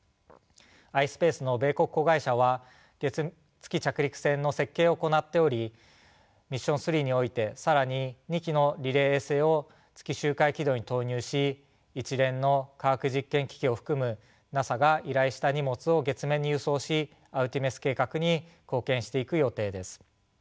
ｉｓｐａｃｅの米国子会社は月着陸船の設計を行っておりミッション３において更に２機のリレー衛星を月周回軌道に投入し一連の科学実験機器を含むＮＡＳＡが依頼した荷物を月面に輸送しアルテミス計画に貢献していく予定です。